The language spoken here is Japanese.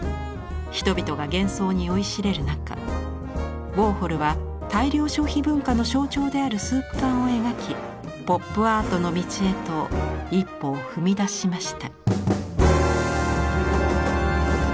人々が幻想に酔いしれる中ウォーホルは大量消費文化の象徴であるスープ缶を描きポップアートの道へと一歩を踏み出しました。